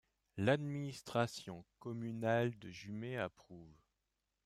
L'Administration communale de Jumet approuve.